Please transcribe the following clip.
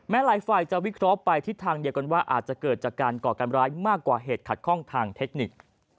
หลายฝ่ายจะวิเคราะห์ไปทิศทางเดียวกันว่าอาจจะเกิดจากการก่อการร้ายมากกว่าเหตุขัดข้องทางเทคนิค